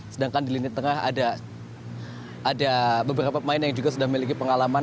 sedangkan di lini tengah ada beberapa pemain yang juga sudah memiliki pengalaman